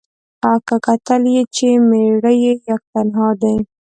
که کتل یې چي مېړه یې یک تنها دی